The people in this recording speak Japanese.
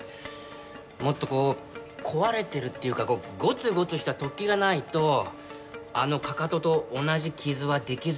もっとこう壊れてるっていうかゴツゴツした突起がないとあのかかとと同じ傷は出来づらいですね。